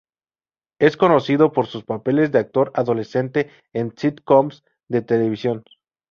Es conocido por sus papeles de actor "adolescente" en "sitcoms" de televisión.